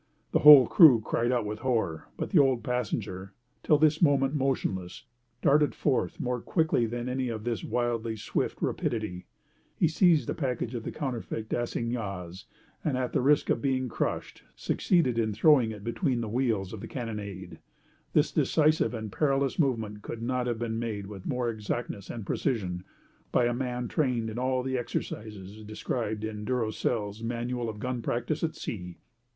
The whole crew cried out with horror. But the old passenger, till this moment motionless, darted forth more quickly than any of this wildly swift rapidity. He seized a package of counterfeit assignats, and, at the risk of being crushed, succeeded in throwing it between the wheels of the carronade. This decisive and perilous movement could not have been made with more exactness and precision by a man trained in all the exercises described in Durosel's "Manual of Gun Practice at Sea."